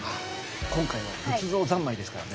今回は仏像三昧ですからね。